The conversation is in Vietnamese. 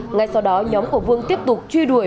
ngay sau đó nhóm của vương tiếp tục truy đuổi